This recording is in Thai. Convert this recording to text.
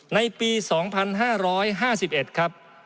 ในปี๒๕๕๑ครับ